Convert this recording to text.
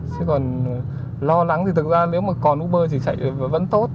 sẽ còn lo lắng thì thực ra nếu mà còn uber thì chạy vẫn tốt